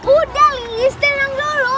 udah lili setengah dulu